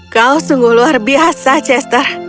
kau sungguh luar biasa chester